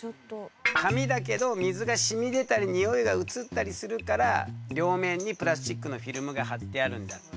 紙だけど水が染み出たりにおいが移ったりするから両面にプラスチックのフィルムが張ってあるんだって。